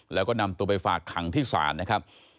แล้วก็นำตัวไปฝากขังที่ศาลนะครับ